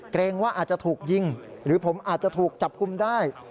เกรงว่าอาจจะถูกยิงหรือผมอาจจะถูกจับกลุ่มได้